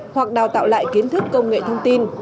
hoặc đào tạo lại kiến thức công nghệ thông tin